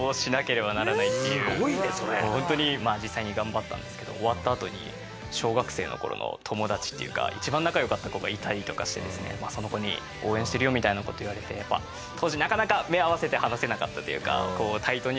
もうホントにまあ実際に頑張ったんですけど終わったあとに小学生の頃の友達っていうか一番仲良かった子がいたりとかしてですねその子に応援してるよみたいな事を言われて当時なかなか目を合わせて話せなかったというか。